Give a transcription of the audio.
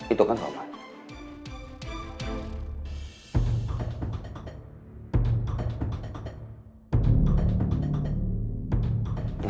itu kan kau pak